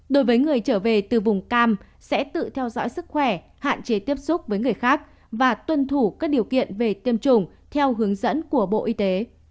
đối với người trở về từ vùng cam sẽ tự theo dõi sức khỏe hạn chế tiếp xúc với người khác và tuân thủ các điều kiện về tiêm chủng theo hướng dẫn của bộ y tế